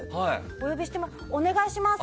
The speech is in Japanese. お呼びしてます。